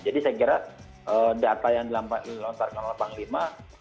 jadi saya kira data yang dilontarkan oleh panglima